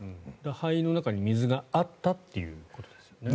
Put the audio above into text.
肺の中に水があったということですよね。